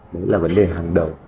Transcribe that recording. đó là vấn đề hàng đầu